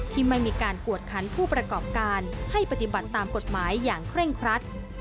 ที่ไม่มีการกวดคันผู้ประกอบการให้ปฏิบัติตามกฎหมายอย่างเคร่งครัด